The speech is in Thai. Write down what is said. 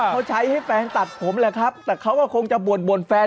เขาใช้ให้แฟนตัดผมแหละครับแต่เขาก็คงจะบ่นแฟน